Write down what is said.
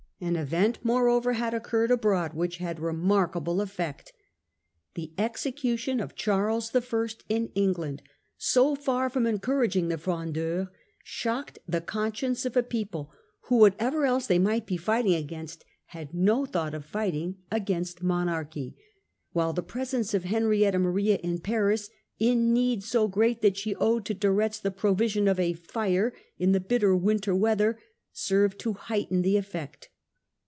An event moreover had occurred abroad which had a re markable effect The execution of Charles I. in England, 44 The Parliamentary Fronde. 1645 . so far from encouraging the Frondeurs, shocked the con science of a people who, whatever else they might be fighting against, had no thought of fighting against monarchy; while the presence of Henrietta Maria in Paris, in need so great that she owed to De Retz the provision of a fire in the bitter winter weather, served to heighten the effect.